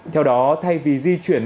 theo đó thay vì di chuyển